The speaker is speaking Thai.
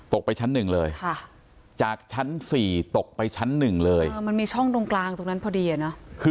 ไปชั้นหนึ่งเลยจากชั้น๔ตกไปชั้นหนึ่งเลยมันมีช่องตรงกลางตรงนั้นพอดีอ่ะเนอะ